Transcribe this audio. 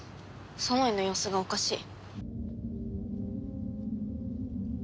ソノイの様子がおかしい。